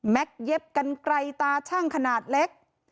เย็บกันไกลตาชั่งขนาดเล็ก